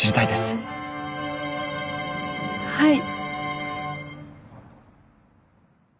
はい。